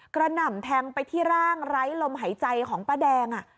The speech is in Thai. หน่ำแทงไปที่ร่างไร้ลมหายใจของป้าแดง